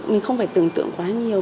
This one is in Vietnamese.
mình không phải tưởng tượng quá nhiều